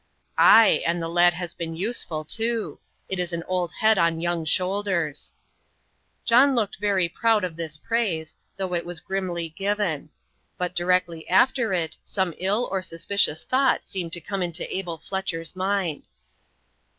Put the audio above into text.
"Ay, and the lad has been useful, too: it is an old head on young shoulders." John looked very proud of this praise, though it was grimly given. But directly after it some ill or suspicious thought seemed to come into Abel Fletcher's mind.